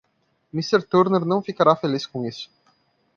Mister Turner não ficará feliz com isso.